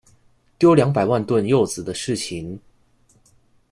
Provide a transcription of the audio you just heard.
丟兩百萬噸柚子的事情